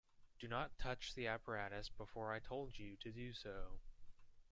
Do not touch the apparatus before I told you to do so.